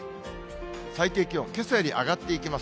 最低気温、けさより上がっていきます。